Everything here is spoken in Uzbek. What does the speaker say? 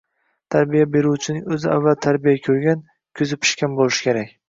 Tarbiya beruvchining o‘zi avval tarbiya ko‘rgan, ko‘zi pishgan bo‘lishi kerak.